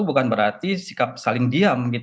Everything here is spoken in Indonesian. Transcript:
bukan berarti sikap saling diam